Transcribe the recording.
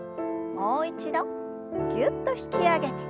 もう一度ぎゅっと引き上げて。